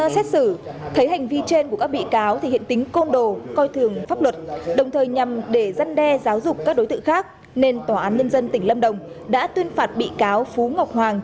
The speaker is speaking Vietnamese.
xin chào các bạn